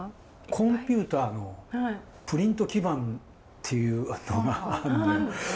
コンピューターのプリント基板っていうものがあるのよ。